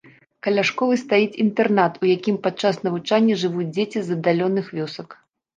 Каля школы стаіць інтэрнат, у якім падчас навучання жывуць дзеці з аддаленых вёсак.